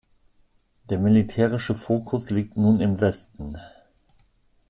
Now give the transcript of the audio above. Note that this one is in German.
Der militärische Fokus liegt nun im Westen.